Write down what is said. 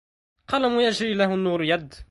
قلم يجري له النور يد